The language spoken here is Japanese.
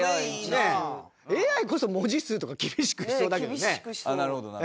ＡＩこそ文字数とか厳しくしそうだけどね。